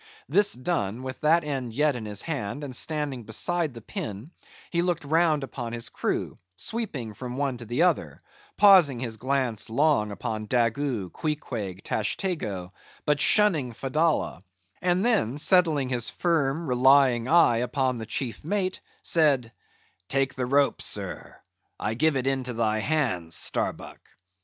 This done, with that end yet in his hand and standing beside the pin, he looked round upon his crew, sweeping from one to the other; pausing his glance long upon Daggoo, Queequeg, Tashtego; but shunning Fedallah; and then settling his firm relying eye upon the chief mate, said,—"Take the rope, sir—I give it into thy hands, Starbuck."